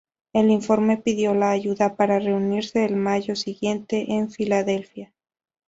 El informe pidió la ayuda para reunirse el mayo siguiente en Filadelfia.